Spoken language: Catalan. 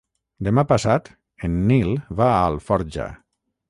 Demà passat en Nil va a Alforja.